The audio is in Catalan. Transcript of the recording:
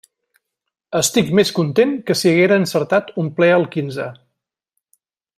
Estic més content que si haguera encertat un ple al quinze.